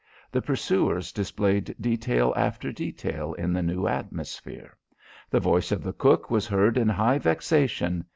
The pursuers displayed detail after detail in the new atmosphere. The voice of the cook was heard in high vexation.